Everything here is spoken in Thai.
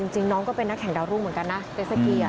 จริงน้องก็เป็นนักแข่งดาวรุ่งเหมือนกันนะเปสกี้